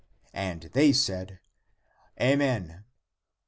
" And they said, " Amen."